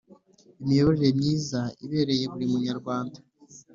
imiyoborere myiza ibereye buri munyarwanda